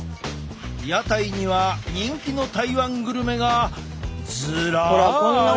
屋台には人気の台湾グルメがずらり。